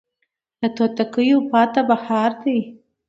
له توتکیو پاته بهار دی